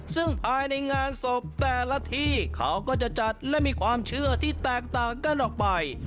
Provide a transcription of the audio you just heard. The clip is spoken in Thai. ซึ่งภายในงานศพแต่ละที่เขาก็จะจัดและมีความเชื่อที่แตกต่างกันออกไป